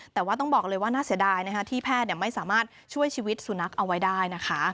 แต่ว่าต้องบอกเลยว่าน่าเสียดายที่แพทย์ไม่สามารถช่วยชีวิตสุนัขเอาไว้ได้นะคะ